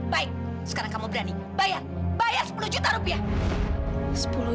baik sekarang kamu berani bayar sepuluh juta rupiah